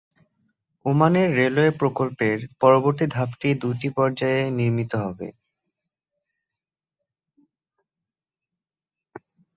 ওমানের রেলওয়ে প্রকল্পের পরবর্তী ধাপটি দুইটি পর্যায়ে নির্মিত হবে।